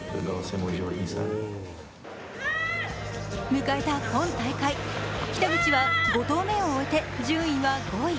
迎えた今大会、北口は５投目を終えて順位は５位。